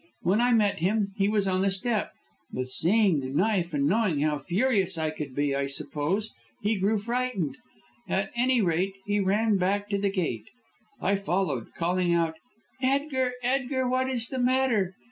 When I met him he was on the step, but seeing the knife, and knowing how furious I could be, I suppose he grew frightened. At any rate, he ran back to the gate. I followed, calling out: 'Edgar, Edgar, what is the matter?'